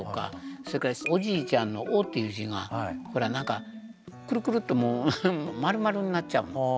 それから「おじいちゃん」の「お」という字がほらなんかくるくるっとまるまるになっちゃうの。